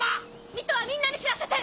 ミトはみんなに知らせて！